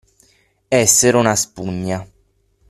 Essere una spugna.